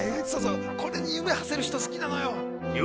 これに夢はせる人好きなのよ。